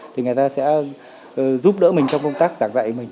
thì người ta sẽ giúp đỡ mình trong công tác giảng dạy của mình